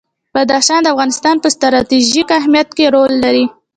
بدخشان د افغانستان په ستراتیژیک اهمیت کې رول لري.